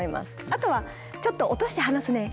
あとはちょっと落として話すねとか。